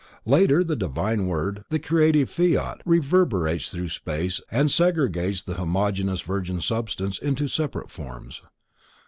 Later the divine WORD; the Creative Fiat, reverberates through space and segregates the homogeneous virgin substance into separate forms.